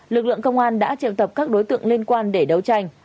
lực lượng công an đã triệu tập các đối tượng liên quan để đấu tranh